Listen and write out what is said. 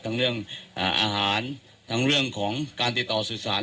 ทั้งเรื่องอาหารทั้งเรื่องของการติดต่อสื่อสาร